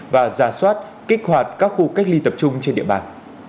và ra soát kích hoạt các khu cách ly tập trung trên địa bàn